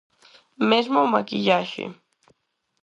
Mesmo a maquillaxe.